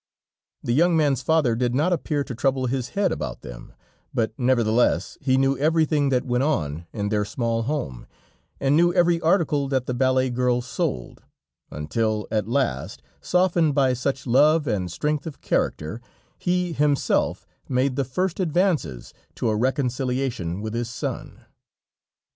The young man's father did not appear to trouble his head about them, but nevertheless he knew everything that went on in their small home, and knew every article that the ballet girl sold; until at last, softened by such love and strength of character, he himself made the first advances to a reconciliation with his son.